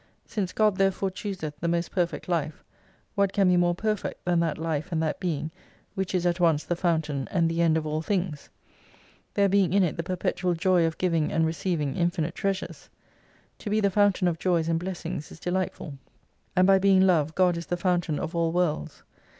Since God therefore chooseth the most perfect life, what can be more perfect than that life and that Being which is at once the Fountain, and the End of all things ? There being in it the perpetual joy of giving and receiving infinite treasures. To be the Fountain of joys and blessings is delightful. And by being Love God is the Fountain of all worlds.